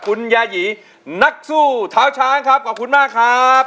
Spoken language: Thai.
คุณยายีนักสู้เท้าช้างครับขอบคุณมากครับ